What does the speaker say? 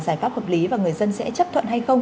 giải pháp hợp lý và người dân sẽ chấp thuận hay không